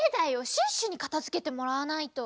シュッシュにかたづけてもらわないと！